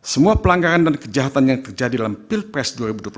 semua pelanggaran dan kejahatan yang terjadi dalam pilpres dua ribu dua puluh empat